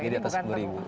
di atas beribu